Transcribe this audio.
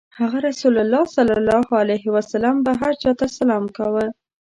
هغه ﷺ به هر چا ته سلام کاوه.